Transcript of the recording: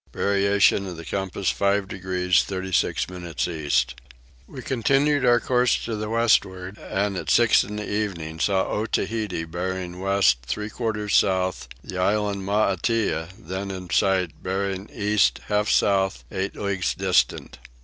Variation of the compass 5 degrees 36 minutes east. We continued our course to the westward, and at six in the evening saw Otaheite bearing west three quarters south; the island Maitea, then in sight, bearing east half south, eight leagues distant.